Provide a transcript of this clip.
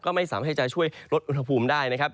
ก็ไม่สามารถให้จะช่วยลดอุณหภูมิได้นะครับ